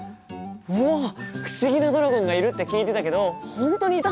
うわっ不思議なドラゴンがいるって聞いてたけど本当にいたんだ！